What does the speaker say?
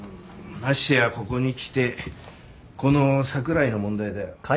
ましてやここにきてこの櫻井の問題だよ。